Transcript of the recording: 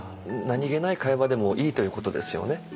何気ない会話でもいいということですよね。